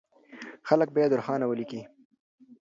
خلک بايد روښانه وليکي.